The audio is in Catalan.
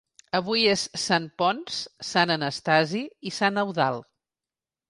Avui és Sant Ponç, sant Anastasi i Sant Eudald.